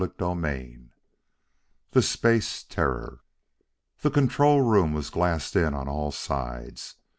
CHAPTER III The Space Terror The control room was glassed in on all sides.